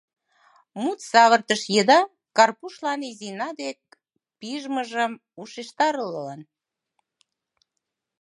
Мут савыртыш еда Карпушлан Изина дек пижмыжым ушештарылын.